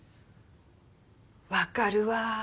分かるわ。